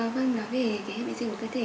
vâng nói về cái hệ miễn dịch của cơ thể